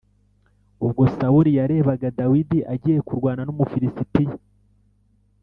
Ubwo Sawuli yarebaga Dawidi agiye kurwana n’Umufilisitiya